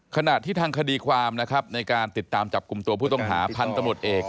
ขณะที่ทางคดีความนะครับในการติดตามจับกลุ่มตัวผู้ต้องหาพันธมตเอก